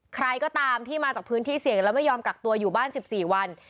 ใครก็ตามที่มาจากพื้นที่เสี่ยงแล้วไม่ยอมกักตัวอยู่บ้าน๑๔วัน